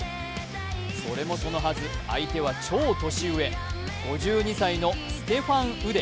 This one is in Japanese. それもそのはず、相手は超年上、５２歳のステファン・ウデ。